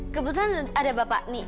kebetulan ada bapak nih